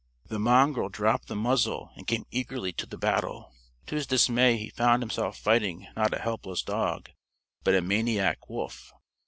The mongrel dropped the muzzle and came eagerly to the battle. To his dismay he found himself fighting not a helpless dog, but a maniac wolf.